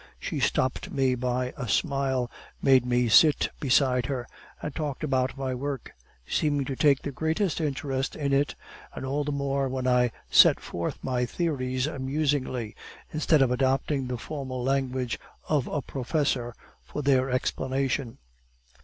She stopped me by a smile, made me sit beside her, and talked about my work, seeming to take the greatest interest in it, and all the more when I set forth my theories amusingly, instead of adopting the formal language of a professor for their explanation.